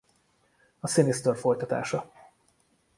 A Sinister folytatása.